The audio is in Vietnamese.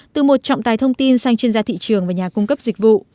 từ một trọng tài thông tin sang chuyên gia thị trường và nhà cung cấp dịch vụ